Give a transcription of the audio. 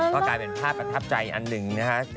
ก็กลายเป็นภาพประทับใจอันหนึ่งนะฮะ